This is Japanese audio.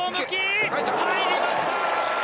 入りました！